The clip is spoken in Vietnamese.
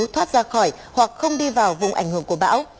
thoát ra khỏi hoặc không đi vào vùng ảnh hưởng của bão